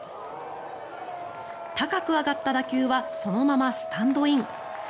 高く上がった打球はそのままスタンドイン。